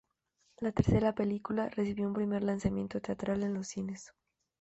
La tercera película recibió un primer lanzamiento teatral en los cines.